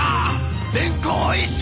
電光一閃！！